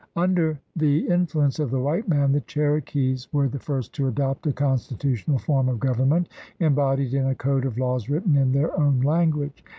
Under the influence of the white man, the Cherokees were the first to adopt a constitutional form of govern ment embodied in a code of laws written in their own language.